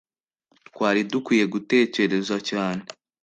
twari dukwiye gutekereza cyane